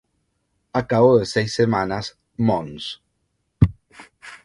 A cabo de seis semanas Mons.